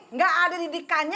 nggak ada didikannya